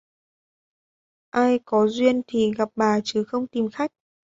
Ai có duyên thì gặp bà chứ không tìm khách